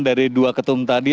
dari dua ketum tadi